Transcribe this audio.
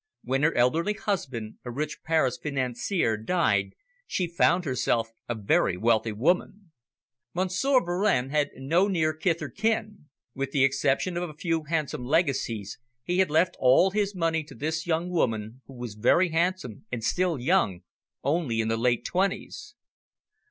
When her elderly husband, a rich Paris financier, died she found herself a very wealthy woman. Monsieur Varenne had no near kith or kin. With the exception of a few handsome legacies, he had left all his money to this young woman who was very handsome and still young, only in the late twenties.